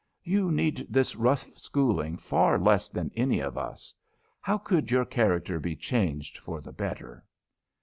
"You need this rough schooling far less than any of us. How could your character be changed for the better?"